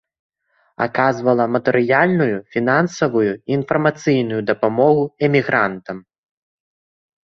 Аказвала матэрыяльную, фінансавую і інфармацыйную дапамогу эмігрантам.